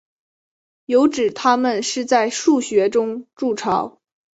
有指它们是在树穴中筑巢。